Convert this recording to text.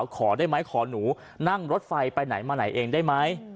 ขอได้ไหมขอหนูนั่งรถไฟไปไหนมาไหนเองได้ไหม